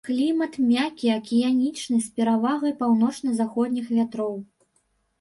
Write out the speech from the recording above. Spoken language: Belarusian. Клімат мяккі акіянічны з перавагай паўночна-заходніх вятроў.